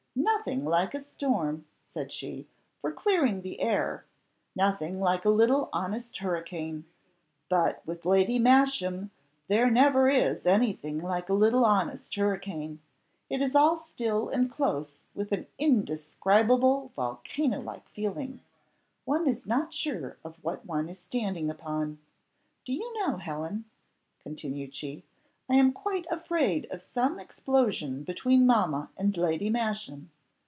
"Nothing like a storm," said she, "for clearing the air; nothing like a little honest hurricane. But with Lady Masham there never is anything like a little honest hurricane. It is all still and close with an indescribable volcano like feeling; one is not sure of what one is standing upon. Do you know, Helen," continued she, "I am quite afraid of some explosion between mamma and Lady Masham.